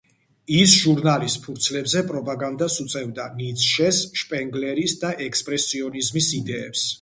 ის ჟურნალის ფურცლებზე პროპაგანდას უწევდა ნიცშეს, შპენგლერის და ექსპრესიონიზმის იდეებს.